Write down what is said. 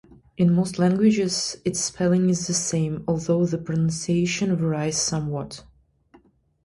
In most languages its spelling is the same, although the pronunciation varies somewhat.